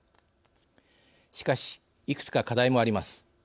しかし、いくつか課題もあります。